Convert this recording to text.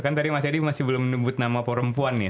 kan tadi mas yedi masih belum menyebut nama perempuan nih